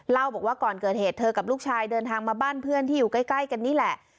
เล่าบอกว่าก่อนเกิดเหตุเธอกับลูกชายเดินทางมาบ้านเพื่อนที่อยู่ใกล้กันนี่แหละ